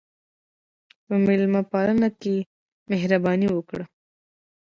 په میلمهپالنه کښېنه، مهرباني وکړه.